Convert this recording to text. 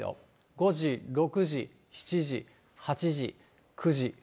５時、６時、７時、８時、９時。